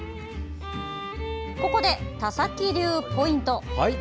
ここで、田崎流ポイント。